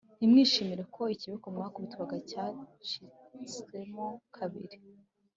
ntimwishimire ko ikiboko mwakubitwaga cyacitsemo kabiri,